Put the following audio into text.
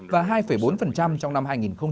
và hai bốn trong năm hai nghìn một mươi chín